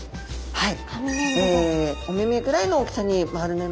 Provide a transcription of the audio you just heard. はい。